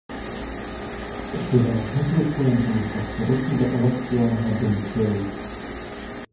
It was on his return from this expedition that Electryon had been killed.